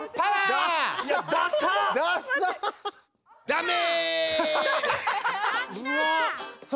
ダメ！